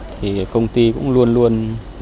thì công ty cũng luôn luôn